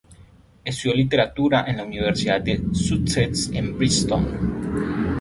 Estudió literatura en la Universidad de Sussex, en Brighton.